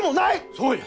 そうや！